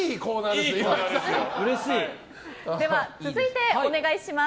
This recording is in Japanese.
では続いて、お願いします。